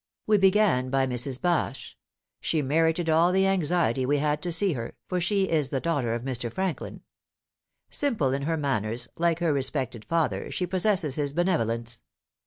We began by Mrs. Bache. She merited all the anxiety we had to see her, for she is the daughter of Mr. Franklin. Simple in her manners, like her respected father, she possesses his benevolence.